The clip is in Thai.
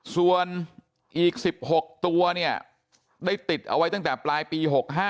ส่วนอีก๑๖ตัวเนี่ยได้ติดเอาไว้ตั้งแต่ปลายปี๖๕